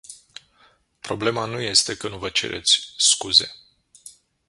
Problema nu este că nu vă cereți scuze.